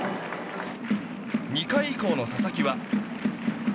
２回以降の佐々木は。